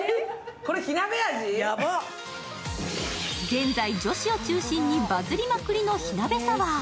現在、女子を中心にバズりまくりの火鍋サワー。